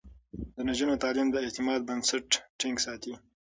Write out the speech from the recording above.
د نجونو تعليم د اعتماد بنسټ ټينګ ساتي.